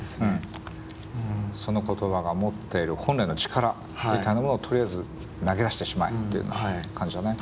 その言葉が持っている本来の力みたいなものをとりあえず投げ出してしまえっていう感じだね。